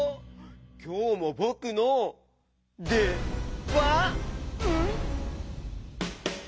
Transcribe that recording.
きょうもぼくのでばん？